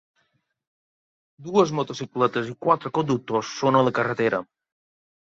Dues motocicletes i quatre conductors són a la carretera